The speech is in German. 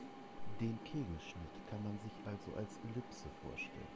Den Kegelschnitt kann man sich also als Ellipse vorstellen.